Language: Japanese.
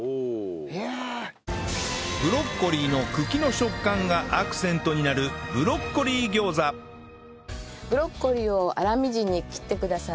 ブロッコリーの茎の食感がアクセントになるブロッコリーを粗みじんに切ってください。